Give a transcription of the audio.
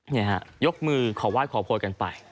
นี่ฮะยกมือขอไหว้ขอโพยกันไป